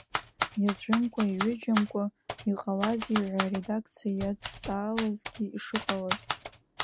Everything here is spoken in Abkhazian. Иаӡәымкәа-иҩыџьамкәа иҟалазеи ҳәа аредакциа иадҵаалазгьы ишыҟалаз…